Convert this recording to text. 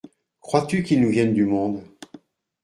Crois-tu qu’il nous vienne du monde ?…